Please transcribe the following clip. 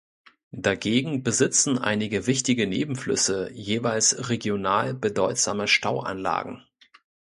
Dagegen besitzen einige wichtige Nebenflüsse jeweils regional bedeutsame Stauanlagen.